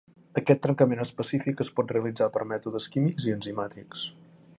Aquest trencament específic es pot realitzar per mètodes químics i enzimàtics.